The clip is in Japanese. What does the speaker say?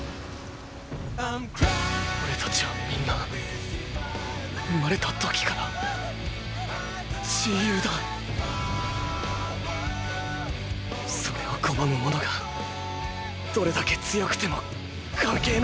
オレたちはみんな生まれた時から自由だそれを拒む者がどれだけ強くても関係ない。